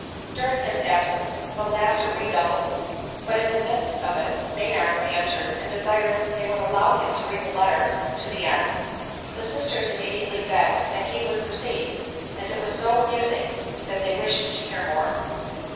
During his absence the laughter redoubled ; but in the midst of it Maynard re entered, and desired they would allow him to read the letter to the end. The sisters im mediately begged that he would proceed, as it was so amusing that they wished to hear more.